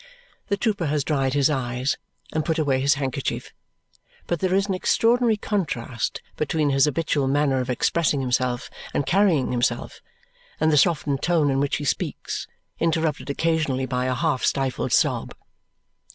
The trooper has dried his eyes and put away his handkerchief, but there is an extraordinary contrast between his habitual manner of expressing himself and carrying himself and the softened tone in which he speaks, interrupted occasionally by a half stifled sob.